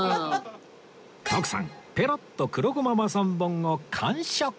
徳さんペロッと黒胡麻和三盆を完食